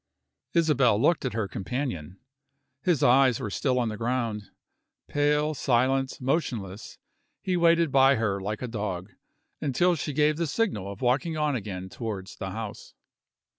Isabel looked at her companion. His eyes were still on the ground. Pale, silent, motionless, he waited by her like a dog, until she gave the signal of walking on again towards the house.